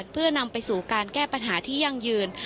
เพื่อนำไปสู่การแก้ปัญหาที่ยั่งยืน